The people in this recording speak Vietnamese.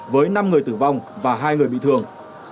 với năm người tử vong và hai người bị thương